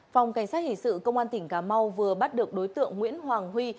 phòng cảnh sát hình sự công an tỉnh cà mau vừa bắt được đối tượng nguyễn hoàng huy